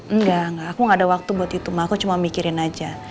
enggak enggak aku gak ada waktu buat itu mah aku cuma mikirin aja